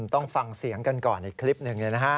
ต้องฟังเสียงกันก่อนอีกคลิปหนึ่ง